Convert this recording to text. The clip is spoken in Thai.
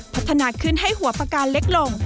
พัฒนาขึ้นให้หัวประการเล็กลง